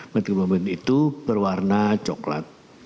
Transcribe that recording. metemoglobin itu berwarna coklat